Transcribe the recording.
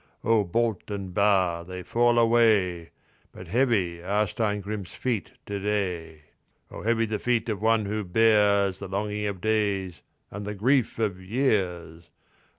"O bolt and bar they fall away, But heavy are Steingrim's feet to day." "O heavy the feet of one who bears The longing of days and the grief of years!